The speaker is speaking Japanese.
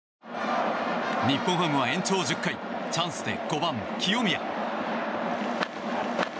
日本ハムは延長１０回チャンスで５番、清宮。